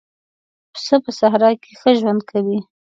پسه په صحرا کې ښه ژوند کوي.